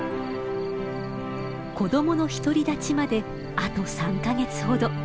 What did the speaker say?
子供の独り立ちまであと３か月ほど。